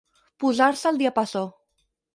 Posar-se al diapasó.